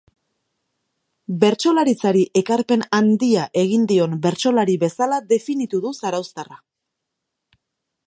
Bertsolaritzari ekarpen handia egin dion bertsolari bezala definitu du zarauztarra.